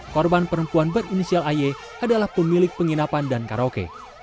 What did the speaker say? korban perempuan berinisial ay adalah pemilik penginapan dan karaoke